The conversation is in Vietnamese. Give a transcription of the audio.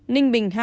ninh bình hai